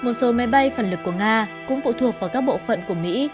một số máy bay phản lực của nga cũng phụ thuộc vào các bộ phận của mỹ